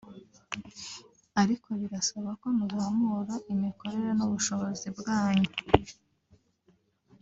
ariko birasaba ko muzamura imikorere n’ubushobozi bwanyu